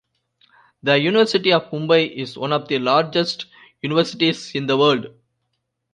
The University of Mumbai is one of the largest universities in the world.